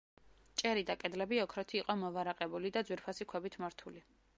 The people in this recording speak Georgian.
ჭერი და კედლები ოქროთი იყო მოვარაყებული და ძვირფასი ქვებით მორთული.